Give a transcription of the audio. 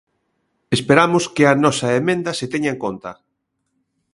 Esperamos que a nosa emenda se teña en conta.